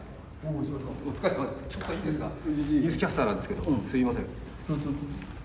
ちょっといいですか、「ニュースキャスター」なんですけど、すみません。